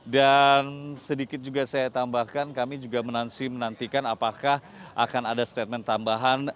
dan sedikit juga saya tambahkan kami juga menanti menantikan apakah akan ada statement tambahan